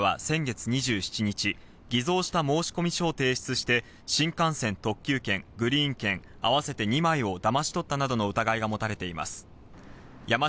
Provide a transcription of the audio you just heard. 警察によりますと山下容疑者は先月２７日、偽造した申し込み書を提出して新幹線特急券、グリーン券、合わせて２枚をだまし取ったなどの疑いが持たれています。